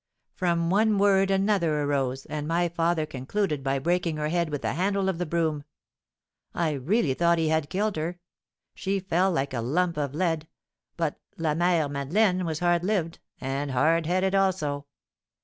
From one word another arose, and my father concluded by breaking her head with the handle of the broom. I really thought he had killed her. She fell like a lump of lead, but la mère Madeleine was hard lived, and hard headed also.